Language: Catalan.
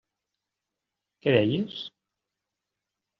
Què deies?